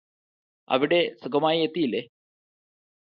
അവിടെ സുഖമായി എത്തിയില്ലേ